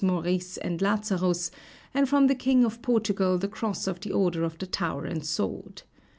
Maurice and Lazarus, and from the king of Portugal the cross of the Order of the Tower and Sword.